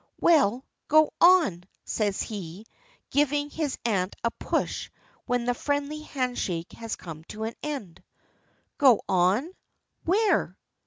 "Well, go on," says he, giving his aunt a push when the friendly hand shake has come to an end. "Go on? Where?"